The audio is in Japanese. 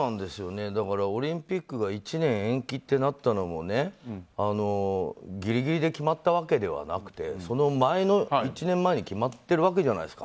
オリンピックが１年延期ってなったのもぎりぎりで決まったわけではなくてその前、１年前に決まってるわけじゃないですか。